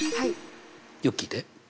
よく聞いて。